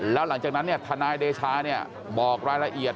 แล้วหลังจากนั้นทนายเดชาบอกรายละเอียด